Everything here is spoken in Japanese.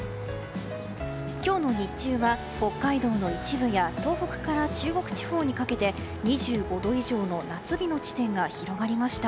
今日の日中は北海道の一部や、東北から中国地方にかけて２５度以上の夏日の地点が広がりました。